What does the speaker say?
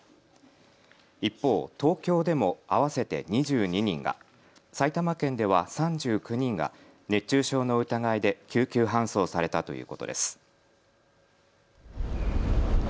一方、東京でも合わせて２２人が、埼玉県では３９人が熱中症の疑いで救急搬送されたということです。